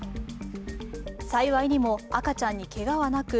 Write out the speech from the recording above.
幸いにも赤ちゃんにけがはなく